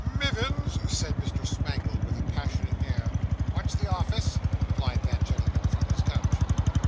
'Mivins!' said Mr. Smangle, with a passionate air. 'What's the office?' replied that gentleman from his couch.